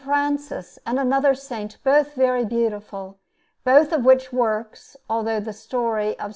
Francis and another Saint, both very beautiful; both of which works, although the story of S.